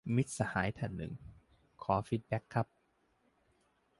มิตรสหายท่านหนึ่ง : ขอฟีดแบ็กครับ